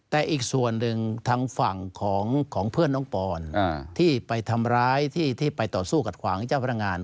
แต่อีกส่วนหนึ่งทางฝั่งของเพื่อนน้องปอนที่ไปทำร้ายที่ไปต่อสู้กับขวางเจ้าพนักงาน